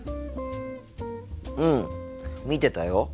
うん見てたよ。